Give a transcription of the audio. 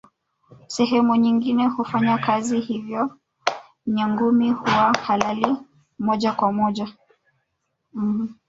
Sehemu nyingine hufanya kazi hivyo Nyangumi huwa halali moja kwa moja